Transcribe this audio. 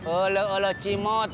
oleh oleh cimo